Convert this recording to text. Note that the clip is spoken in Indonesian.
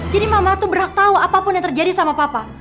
jadi mama tuh berhak tau apapun yang terjadi sama papa